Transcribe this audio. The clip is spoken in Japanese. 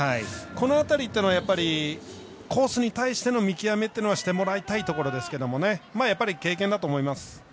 この辺りっていうのがコースに対しての見極めはしてもらいたいところですけどやっぱり経験だと思います。